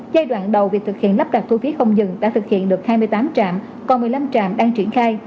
giai đoạn đầu việc thực hiện lắp đặt thu phí không dừng đã thực hiện được hai mươi tám trạm còn một mươi năm trạm đang triển khai